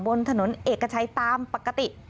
บนถนนเอกชัยตามปกติ